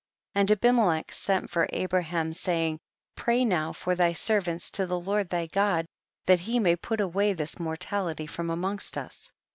29. And Abimelech sent for Abra ham, saying, pray now for thy ser vants to the Lord thy God, that he may put awa)'' this mortality from amongst us.